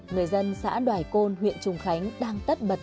người dân xã đoài côn huyện trùng khánh đang tất bật